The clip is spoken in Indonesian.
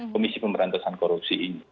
komisi pemberantasan korupsi ini